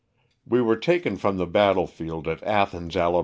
We were taken from the battle field at Athens, Ala.